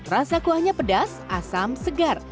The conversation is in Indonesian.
rasa kuahnya pedas asam segar